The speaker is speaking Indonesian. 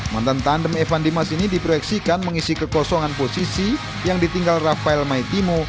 mantan tandem evan dimas ini diproyeksikan mengisi kekosongan posisi yang ditinggal rafael maetimo ke psm makassar